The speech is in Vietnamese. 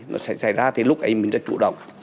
nó sẽ xảy ra thì lúc ấy mình đã chủ động